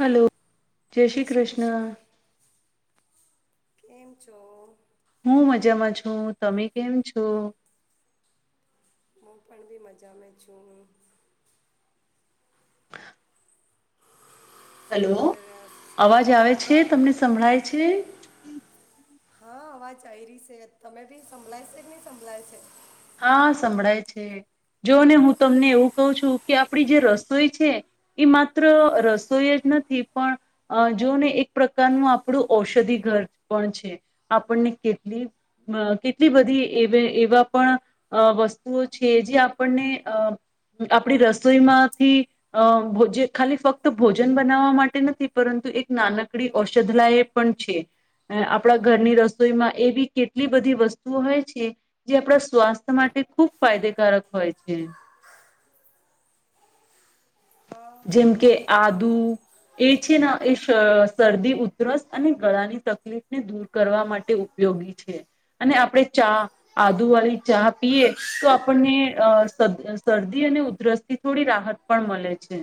Hello, જય શ્રી કૃષ્ણ. કેમ છો? હું મજામાં છું. તમે કેમ છો? હું પણ બી મજામા છું. [inaudible] શું હેલો કરે રહ્યા છો? અવાજ આવે છે હા તમને સંભળાય છે? હા અવાજ આઈ રહી સે તમે ભી સંભળાંય સે કે ની સંભળાય સે? હા સંભળાય છે જો ને હું તમને એવું કું છું કે આપડી જે રસોઈ છે એ માત્ર રસોઈ જ નથી પણ જો ને એક પ્રકારનું આપણું ઔષધિ ઘર પણ છે આપણને કેટલી કેટલી બધી એ એવા પણ અહ વસ્તુઓ છે જે આપણને અ આપણી રસોઈમાંથી અહ ભોજ ખાલી ફક્ત ભોજન બનાવવા માટે નથી પરંતુ એક નાનકડી ઔષધલાય પણ છે, આપણા ઘરની રસોઈમાં એવી કેટલી બધી વસ્તુઓ હોય છે જે આપડા સ્વાસ્થ્ય માટે ખૂબ ફાયદેકારક હોય છે. હા જેમ હેલો કે આદુ એ છે એ શર શરદી ઉધરસ અને ગળાની તકલીફને દૂર કરવા માટે ઉપયોગી છે અને આપણેે ચા આદુ વાળી ચા પીએ તો આપણને અ શર શરદી અને ઉધરસ થી થોડી રાહત પણ મળે છે છે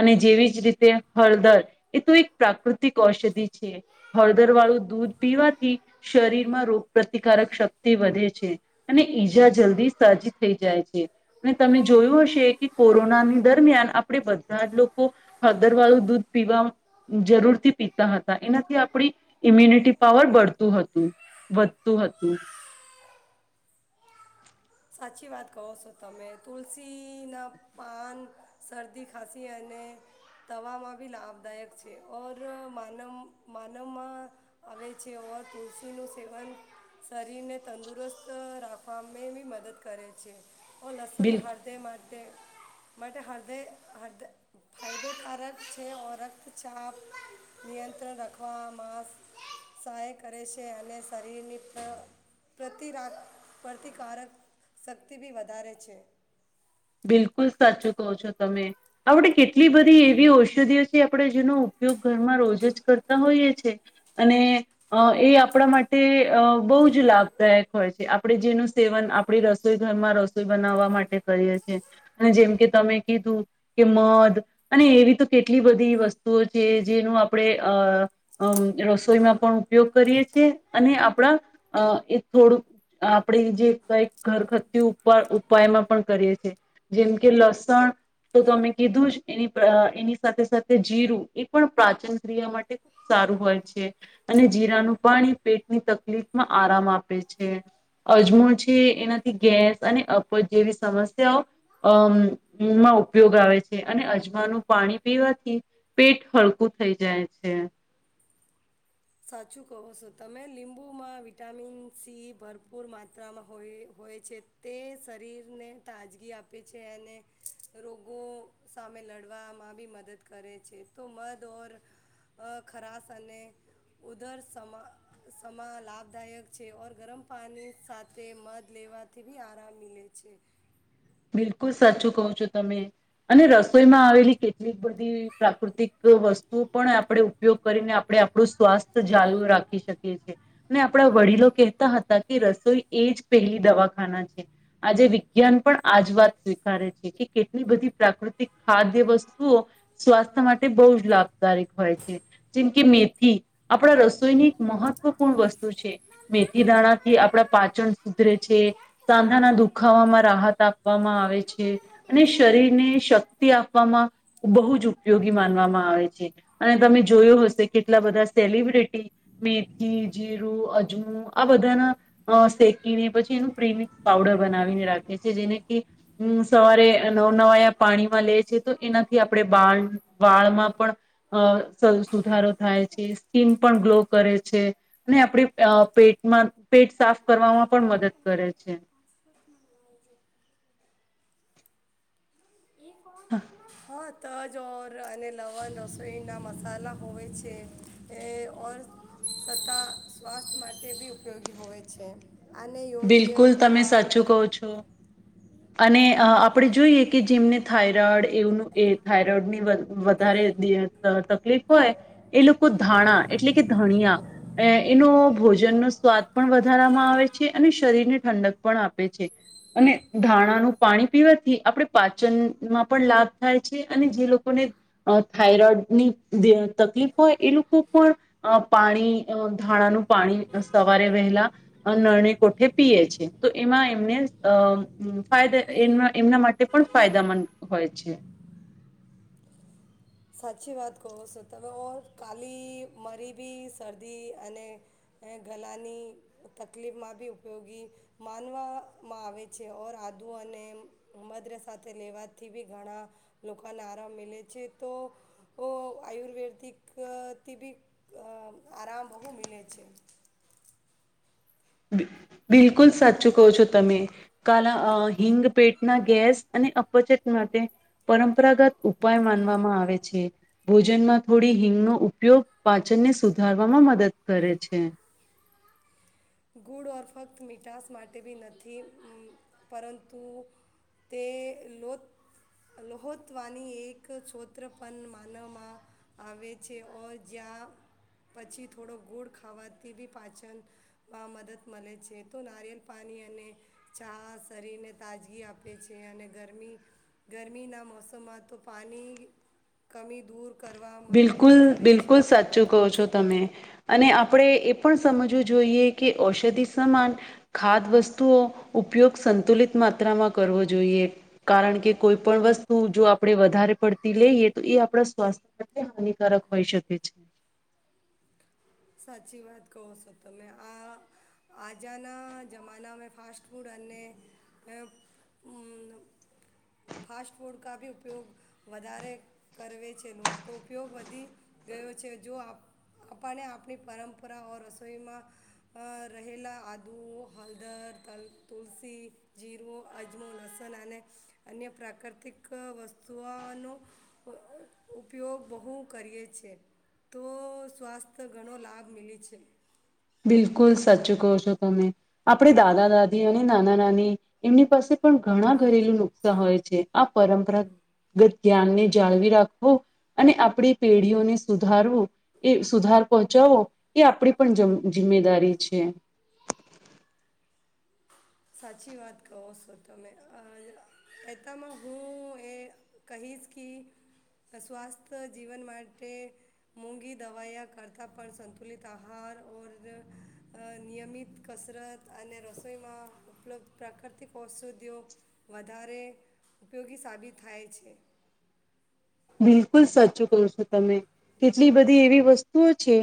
અને જેવી જ રીતે હળદર એ તો એક પ્રાકૃતિક ઔષધિ છે હળદર વાળું દૂધ પીવાથી શરીરમાં રોગ પ્રતિકારક શક્તિ વધે છે અને ઈજા જલ્દી સાજી થઈ જાય છે અને તમે જોયું હશે કે કોરોનાની દરમિયાન આપ આપડે બધા જ લોકો હદરવાળું દૂધ પીવા જરૂરથી પીતા હતા એનાથી આપણી ઇમ્યુનિટી પાવર બઢતું હતું વધતું હતું સાચી વાત કહો છો તમે તુલસીના પાન શરદી ખાંસી અને તવામાં બી લાભદાયક છે ઓર માનવ માનવમાં આવે છે ઓર તુલસીનું સેવન શરીરને તંદુરસ્ત રાખવામાં બી મદદ મદદ કરે છે ઓ લહસુન બિલકુલ હળદે માટે માટે હરડે હરડે ફાયદેકારક છે રક્તચાપ નિયંત્રણ રાખવામા સહાય કરે છે અને શરીરની પ્ર પ્રતિકારક શક્તિ બી વધારે છે બિલકુલ સાચું કહો છો તમે આપડે કેટલી બધી એવી ઔષધિઓ છે આપણે જેનો ઉપયોગ ઘરમાં રોજ જ કરતા હોઈએ છેએ અને એ આપણા માટે અ બહુ જ લાભદાયક હોય છે આપણે જેનું સેવન આપણી રસોઈ ઘરમાં રસોઈ બનાવવા માટે કરીએ છે અને જેમકે તમે કીધું કે મધ અને એવી તો કેટલી બધી વસ્તુઓ છે જેનું આપણે અ અમ રસોઈમાં પણ ઉપયોગ કરીએ છેએ અને આપડા એ થોડુંક આપણે જે કઈક ઘરઘતુ ઉપાયમાં પણ કરીએ છીએ જેમ કે લસણ તો તમે કીધું જ એની એની સાથે સાથે જીરું એ પણ પ્રાચીન ક્રિયા માટે ખુબ સારું હોય છે અને જીરાનું પાણી એ પેટની તકલીફમાં આરામ આપે છે અજમો છે એનાથી ગેસ અને અપજ જેવી સમસ્યાઓ અ માં ઉપયોગ આવે છે અને અજમાનું પાણી પીવાથી પેટ હળવું થઈ જાય છે સાચું કહો છો તમે લીંબુમાં વિટામિન સી ભરપૂર માત્રામાં હોય હોય છે તે શરીરને તાજગી આપે છે અને રોગો સામે લડવામાં બી મદદ કરે છે તો મધ ઓર ખરાશ અને ઉધર સમા સમા લાભદાયક છે ઓર ગરમ પાણી સાથે મધ લેવાથી બી આરામ મિલે છે બિલકુલ સાચું કહો છો તમે અને રસોઈમાં આવેલી કેટલીક બધી પ્રાકૃતિક વસ્તુ હું પણ આપણે ઉપયોગ કરીને આપણે આપણું સ્વાસ્થ્ય ચાલુ રાખી શકીએ છી ને આપણા વડીલો કહેતા હતા કે રસોઈ એ જ પહેલી દવાખાના છે આજે વિજ્ઞાન પણ આજ વાત સ્વીકારે છે કે કેટલી બધી પ્રાકૃતિક ખાદ્ય વસ્તુઓ સ્વાસ્થ્ય માટે બહુ જ લાભદાયક હોય છે જેમ કે મેથી આપણા રસોઈની એક મહત્વપૂર્ણ વસ્તુ છે મેથી દાણાથી આપણા પાચન સુધરે છે સાંધાના દુખામાં રાહત આપવામાં આવે છે અને શરીરને શક્તિ આપવામાં બહુ જ ઉપયોગી માનવામાં આવે છે અને તમે જોયો હશે કેટલા બધા સેલિબ્રિટી મેથી જીરું અજમો આ બધાના શેકીને પછી એનું પ્રિમિક્સ પાવડર બનાવીને રાખે છે જે જેને કે સવારે નવ નવા પાણીમાં લે છે તો એનાથી આપણે વાળ વાળમાં પણ અ સં સુધારો થાય છે સ્કિન પણ ગ્લો કરે છે અને આપડી અ પેટમાં પેટ સાફ કરવામાં પણ મદદ કરે છે એક [unintelligible] [inaudible] હા તજ ઓર અને લવણ રસોઈ ના મસાલા હોય છે એ ઓર છતા સ્વાસ્થ્ય માટે બી ઉપયોગી હોય છે આને યોગ્ય બિલકુલ તમે પ્રમાણ સાચું કહો છો અને અ આપણે જોઈ એ કે જેમને થાઈરોઈડ એવ એ થાઈરોઈડની વધારે ત ત તકલીફ હોય એ લોકો ધાણા એટલે કે ધણિયા એનો ભોજનનો સ્વાદ પણ વધારાવામાં આવે છે છે અને શરીરને ઠંડક પણ આપે છે અને ધાણાનું પાણી પીવાથી આપણે પાચનમાં પણ લાભ થાય છે અને જે લોકોને થાયરોઈડની તકલીફ હોય એ લોકો પણ પાણી ધાણાનું પાણી સવારે વહેલા નેરાડે કોઠે પીએ છે તો એમાં એમને ય ઈમ ફાઇદે એમના માટે પણ ફાયદાામંદ હોય છે સાચી વાત કહો છો તમે ઓર કાલી મરી બી શરદી અને ગલાની તકલીફમાં બી ઉપયોગી માનવામાં આવે છે ઓર આદુ અને મઘ સાથે લેવાથી બી ઘણા લોકોને આરામ મિલે છે તો આયુર્વેદિકથી બી આરામ બહુ મીલે છે બિલકુલ સાચું કહો છો તમે કાલા હિંગ પેટના ગેસ અને અપચત માટે પરંપરાગત ઉપાય માનવામાં આવે છે ભોજનમાં થોડી હિંગનો ઉપયોગ પાચનને સુધારવામાં મદદ કરે છે ગુળ ઓર ફક્ત મીઠાસ માટે બી નથી પરંતુ તે લો લોહોતવાની એક સોત્ર પણ માનવામાં આવે છે ઓર જ્યાં પછી થોડો ગુળ ખાવાથી બી પાચન માં મદદ મળે છે તો નારિયેલ પાણી અને ચા શરીરને તાજગી આપે છે અને ગરમી ગરમીના મોસમમાં તો પાણી કમી દૂર કરવામાં બિલકુલ મદદ કરે છે બિલકુલ સાચું કહો છો તમે અને આપણે એ પણ સમજવું જોઈએ કે ઔષધિ સમાન ખાદ વસ્તુઓ ઉપયોગ સંતુલિત માત્રામાં કરવો જોઈએ કારણ કે કોઈ પણ વસ્તુ જો આપણે વધારે પડતી લઈએ તો એ આપણા સ્વાસ્થ હાનિકારક હોઈ શકે છે સાચી વાત કહો છો તમે આ આજાના જમાનામાં ફાસ્ટ ફૂડ અને ફાસ્ટ ફૂડ કાફી ઉપયોગ વધારે કરવે છે લોકો તો ઉપયોગ વધી ગયો છે જો આપ આપણને આપ ની પરંપરાઓ રસોઈમાં રહેલા આદુઓ હળદર તલ તુલસી જીર અજમો લસણ અને અન્ય પ્રાકૃતિક વસ્તુઓનો ઉપયોગ બહુ કરીએ છેએ તો સ્વાસ્થ્ય ઘણો લાભ મીલે છે. બિલકુલ સાચચ કહો છો તમે આપણે દાદા દાદી અને નાના નાની એમની પાસે પણ ઘણા ઘરેલું નુકસા હોય છે આ પરંપરાગત ગધ્યાન નને જાળવી રાખવું અને આપણી પેઢીઓને સુધારવું એ સુધાર પહોંચાડવો એ આપણે પણ જમ જિમ્મેદારી છે. સાચી વાત કહો સો તમે કહેતામાં હું એ કહીશ કે સ્વાસ્થ્ય જીવન માટે મોઘી દવાયા કરતાં પણ સંતુલિત આહાર ઓર નિયમિત કસરત અને રસોઈમાં ઉપલબ્ધ પ્રાકૃતિક ઔષધિઓ વધારે ઉપયોગી સાબિત થાય છે. બિલકુલ સાચું કોહ છો તમે કેટલી બધી એવી વસ્તુઓ છે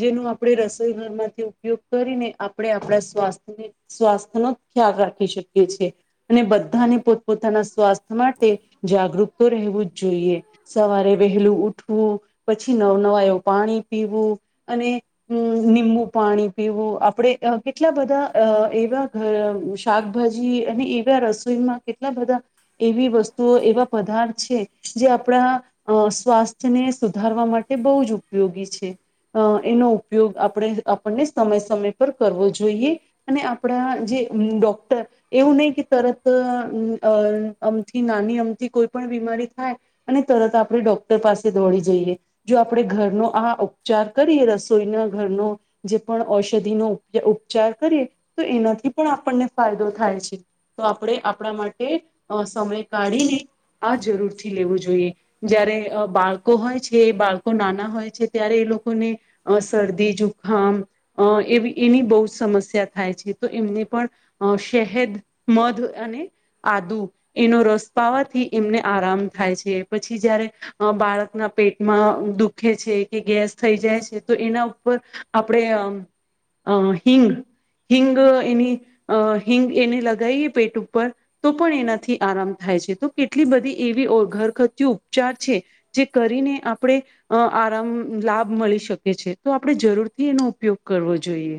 જેનો આપણે રસોઈ ઘરમાંથી ઉપયોગ કરીને આપણે આપણા સ્વાસ્થ્ય સ્વાસ્થ્યનો ખ્યાલ રાખી શકીએ છી અને બધાને પોતપોતાના સ્વાસ્થ્ય માટે જાગૃત તો રહેવું જ જોઈએ. સવારે વહેલું ઉઠવું પછી નવ નવા એવું પાણી પીવું અનેમ નિંબુ પાણી પીવું આપણે કેટલા બધા અ એવા આ શાકભાજી અને એવા રસોઈમાં કેટલા બધા એવી વસ્તુઓ એવા પદાર્થ છે જે આપણા અ સ્વાસ્થ્યને સુધારવા માટે બહુ જ ઉપયોગી છે અ એનો ઉપયોગ આપણે આપણને સમય સમય પર કરવો જોઈએ અને આપણા જે ડોક્ટર એવું નહીં કે તરત અ અમથી નાની અમથી કોઈ પણ બીમારી થાય અને તરત આપણે ડોક્ટર પાસે દોડી જઈએ જો આપણે ઘરનો આ ઉપચાર કરીએ રસોઈના ઘરનો જે પણ ઔષધિનો ઉપચાર કરીએ તો એનાથી પણ આપણને ફાયદો થાય છે તો આપણે આપણા માટે સમય કાઢીને આ જરૂરથી લેવું જોઈએ. જયારે અ બાળકો હોય છે એ બાળકો નાના હોય છે ત્યારે એ લોકોને શરદી જુખામ અ એવી એની બહુ જ સમસ્યા થાય છે તો એમને પણ શહેદ મધ અને આદુ એનો રસ પાવાથી એમને આરામ થાય છે. પછી જયારે બાળકના પેટમાં દુખે છે કે ગેસ થઈ જાય છે તો એના ઉપર આપણે અ હિંગ હિંગ એની હિંગ એને લગાવએ પેટ ઉપર તો પણ એનાથી આરામ થાય છે તો કેટલી બધી એવી ઘર તી ઉપચાર છે જે કરીને આપણે અ આરામ લાભ મળી શકે છે તો આપણે જરૂરથી એનો ઉપયોગ કરવો જોઈએ.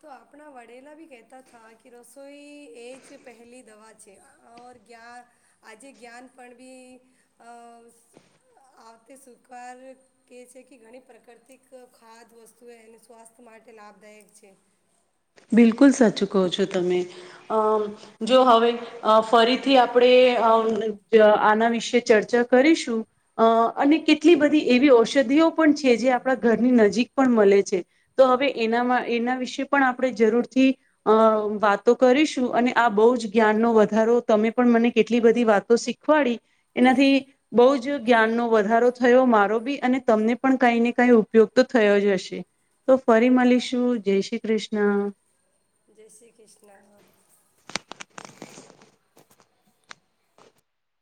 તો આપણા વડેલા બી કહેતા હતા કે રસોઈ એ જ પહેલી દવા છે ઓર ક્યાર આજે જ્ઞાન પણ બી અ આવતે સ્વીકાર કહે છે કે ઘણી પ્રાકૃતિક ખાદ વસ્તુઓ એને સ્વાસ્થ્ય માટે લાભદાયક છે. બિલકુલ સાચું કહો છો તમે અ જો હવે અ ફરીથી આપણે આના વિશે ચર્ચા કરીશું અ અને કેટલી બધી એવી ઔષધિઓ પણ છે જે આપણા ઘરની નજીક પણ મળે છે તો હવે એનામાં એના વિશે પણ આપણે જરૂરથી અ વાતો કરીશું અને આ બહુ જ જ્ઞાનનો વધારો તમે પણ મને કેટલી બધી વાતો શીખવાડી એનાથી બહુ જ જ્ઞાનનો વધારો થયો મારો બી અને તમને પણ કંઈ ને કંઈ ઉપયોગ તો થયો જ હશે. તો ફરી મળીશું જય શ્રી કૃષ્ણ. હા. જય શ્રી કૃષ્ણ.